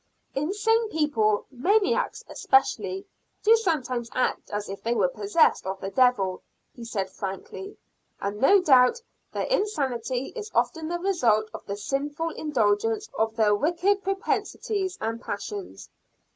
"Insane people, maniacs especially, do sometimes act as if they were possessed of the devil," he said frankly. "And no doubt their insanity is often the result of the sinful indulgence of their wicked propensities and passions."